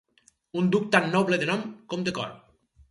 Un duc tant noble de nom com de cor.